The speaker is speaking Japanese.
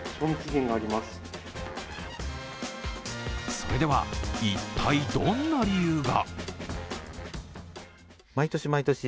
それでは、一体どんな理由が？